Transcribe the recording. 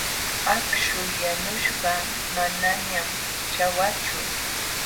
Akśhu yanuśhqa manañan ćhawachu.